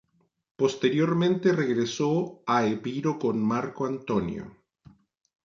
Posteriormente regresó a Epiro con Marco Antonio.